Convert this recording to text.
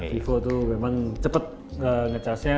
vivo itu memang cepat nge charge nya